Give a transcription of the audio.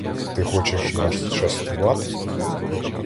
Ти хочеш нас частувати?